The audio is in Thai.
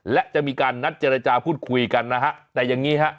และจะมีการนัดเจรจาพูดคุยกันนะฮะแต่อย่างนี้ฮะ